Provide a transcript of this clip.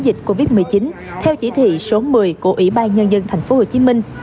dịch covid một mươi chín theo chỉ thị số một mươi của ủy ban nhân dân thành phố hồ chí minh